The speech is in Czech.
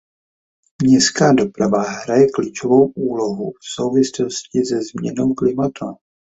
Městská doprava hraje klíčovou úlohu v souvislosti se změnou klimatu.